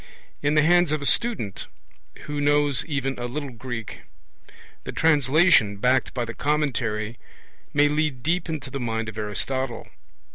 In the hands of a student who knows even a little Greek, the translation, backed by the commentary, may lead deep into the mind of Aristotle.